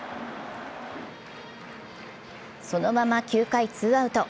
そのまま９回、ツーアウト。